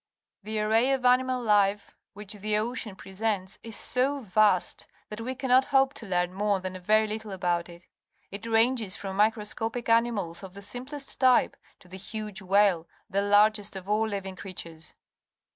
The array of animal life which the ocean presents is so vast that we cannot hope to learn more than a very little about it. It ranges from microscopic animals of the simplest type to the huge whale, the largest of all living creatures.